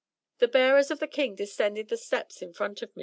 The bearers of the King descended the steps in front of me.